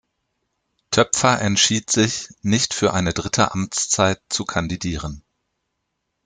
Töpfer entschied sich, nicht für eine dritte Amtszeit zu kandidieren.